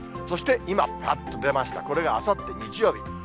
そして今、出ました、これがあさって日曜日。